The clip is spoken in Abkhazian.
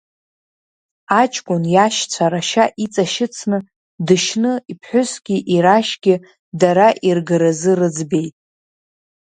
Аҷкәын иашьцәа рашьа иҵашьыцны, дышьны иԥҳәысгьы ирашьгьы дара иргаразы рыӡбеит.